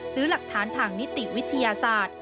หรือหลักฐานทางนิติวิทยาศาสตร์